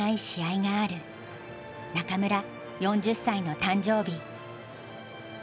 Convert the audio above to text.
中村４０歳の誕生日。